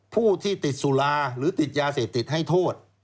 ผู้ที่ติดสุราหรือติดยาเสพติดให้โทษ